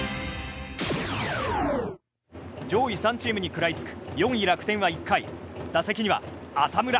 上位３チームに食らいつく４位、楽天は１回打席には浅村。